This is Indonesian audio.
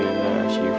person yang store